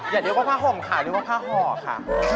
อย่าเรียกว่าผ้าห่มค่ะเรียกว่าผ้าห่อค่ะ